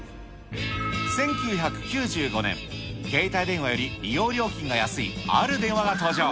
１９９５年、携帯電話より利用料金が安いある電話が登場。